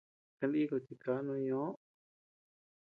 Kaníku tikaa no ñoʼo.